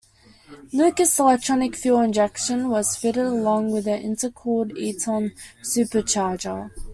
Lucas electronic fuel injection was fitted, along with an intercooled Eaton supercharger.